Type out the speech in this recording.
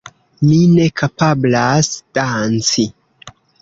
Mi ne kapablas danci.